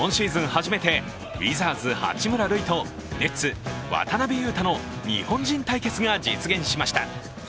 初めてウィザーズ八村塁とネッツ渡邊雄太の日本人対決が実現しました。